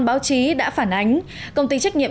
báo chí đã phản ánh công ty trách nhiệm